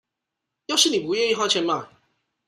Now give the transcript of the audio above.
要是妳不願意花錢買